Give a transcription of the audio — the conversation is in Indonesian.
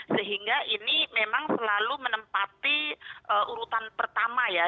sehingga ini memang selalu menempati urutan pertama ya